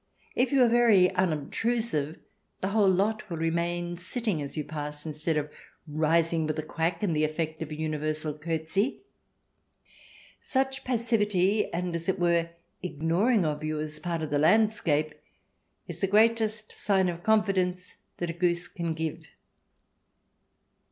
If you are very unobtrusive, the whole lot will remain sitting as you pass, instead of rising with a quack and the effect of a universal curtsy. Such passivity and, as it were, ignoring of you as part of the landscape is the greatest sign of confi dence that a goose can give.